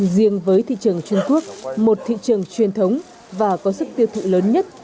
riêng với thị trường trung quốc một thị trường truyền thống và có sức tiêu thụ lớn nhất